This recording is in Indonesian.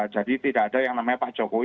jadi tidak ada yang namanya pak jokowi